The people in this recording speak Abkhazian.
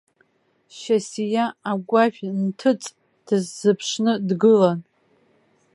Шьасиа агәашә нҭыҵ дысзыԥшны дгылан.